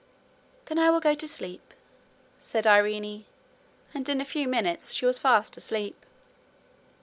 'Then I will go to sleep,' said Irene, and in a few minutes she was fast asleep.